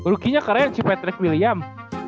rukinya keren sih patrick william